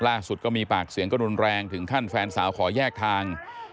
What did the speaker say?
ล่าสุดก็มีปากเสียงก็นุนแรงถึงขั้นแฟนสาวขอยากทาง